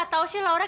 ya udah nyaris